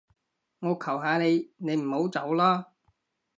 我求下你，你唔好走啦